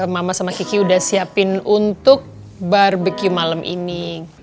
mama sama kiki udah siapin untuk barbecue malam ini